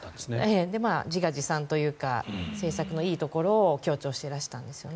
自画自賛というか政策のいいところを強調していらしたんですよね。